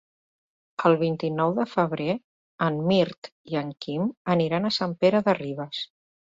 El vint-i-nou de febrer en Mirt i en Quim aniran a Sant Pere de Ribes.